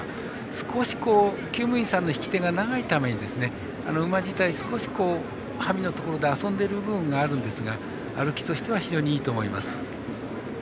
少しきゅう務員さんの引き手が長いために馬自体、馬銜のところで遊んでるところがあると思うんですが歩きとしては非常にいいと思います。